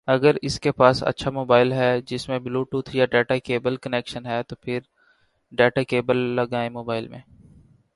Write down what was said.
اگر آپ کے پاس اچھا موبائل ہے جس میں بلوٹوتھ یا ڈیٹا کیبل کنیکشن ہے تو پھر ڈیٹا کیبل لگائیں موبائل میں